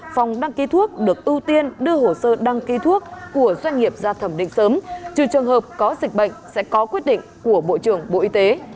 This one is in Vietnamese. phòng đăng ký thuốc được ưu tiên đưa hồ sơ đăng ký thuốc của doanh nghiệp ra thẩm định sớm trừ trường hợp có dịch bệnh sẽ có quyết định của bộ trưởng bộ y tế